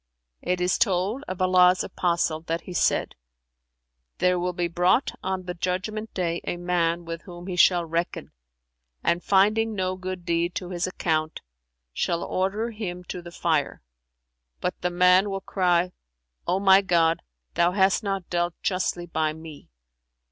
It is told of Allah's Apostle that he said, 'There will be brought on the Judgment day a man with whom He shall reckon and finding no good deed to his account, shall order him to the Fire; but the man will cry, 'O my God, Thou hast not dealt justly by me!'